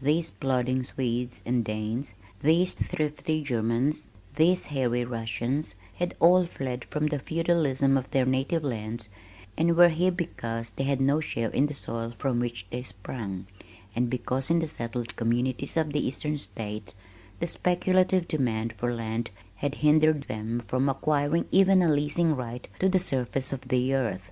These plodding Swedes and Danes, these thrifty Germans, these hairy Russians had all fled from the feudalism of their native lands and were here because they had no share in the soil from which they sprung, and because in the settled communities of the eastern states, the speculative demand for land had hindered them from acquiring even a leasing right to the surface of the earth.